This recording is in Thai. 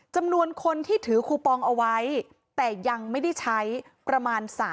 จำนวนคนที่ถือคูปองเอาไว้แต่ยังไม่ได้ใช้ประมาณ